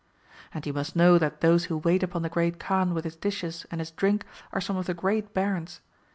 ^] And you must know that those who wait upon the Great Kaan with his dishes and his drink are some of the great Barons.